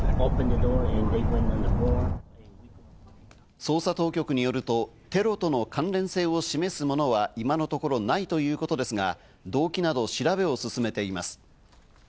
捜査当局によるとテロとの関連性を示すものは今のところないということですが、動機など、調べを進めています。